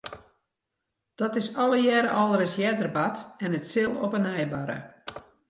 Dat is allegearre al ris earder bard en it sil op 'e nij barre.